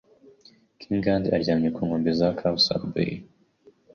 Kingand aryamye ku nkombe za Cawsand Bay,